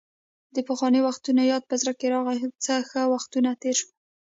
د پخوا وختونو یاد مې زړه کې راغۍ، څه ښه وختونه تېر شول.